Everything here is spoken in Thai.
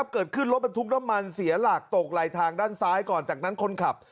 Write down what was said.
เกิดขึ้นรถบรรทุกน้ำมันเสียหลักตกไหลทางด้านซ้ายก่อนจากนั้นคนขับ